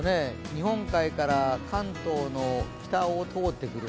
日本海から関東の北を通ってくる。